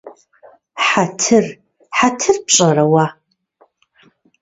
Хьэтыр… Хьэтыр пщӀэрэ уэ?